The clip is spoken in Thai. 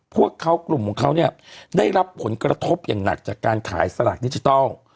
พวกเขากลุ่มของเขาเนี่ยได้รับผลกระทบอย่างหนักจากการขายสลากดิจิทัล